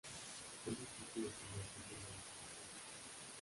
Es difícil estimar sus números hoy.